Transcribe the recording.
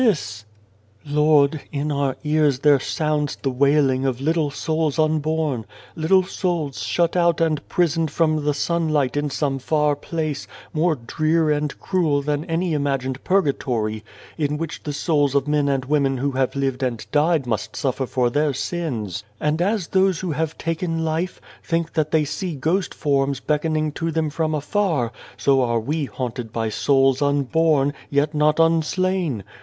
283 A World s " Lord, in our ears there sounds the wailing of little souls unborn little souls shut out and prisoned from the sunlight in some far place, more drear and cruel than any imagined purga tory, in which the souls of men and women who have lived and died must suffer for their sins. " And as those who have taken life, think that they see ghost forms beckoning to them from afar, so are we haunted by souls unborn, yet not unslain.